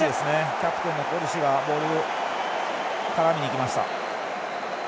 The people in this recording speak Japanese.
キャプテンのコリシがボールに絡みに行きました。